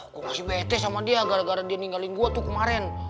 aku kasih bete sama dia gara gara dia ninggalin gue tuh kemarin